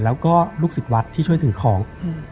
แล้วก็ลูกศิษย์วัดที่ช่วยถือของ